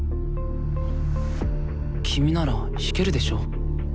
君なら弾けるでしょ。